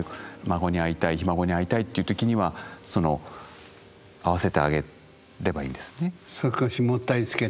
孫に会いたいひ孫に会いたいという時には会わせてあげればいいんですね。